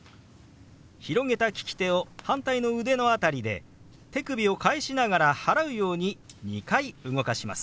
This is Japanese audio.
広げた利き手を反対の腕の辺りで手首を返しながら払うように２回動かします。